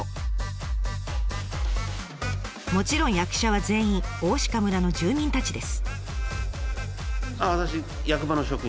もちろん役者は全員大鹿村の住民たちです。